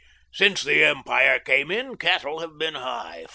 Since the Empire came in, cattle have been high.